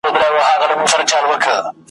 نو یې په برخه چړي پاچا سي !.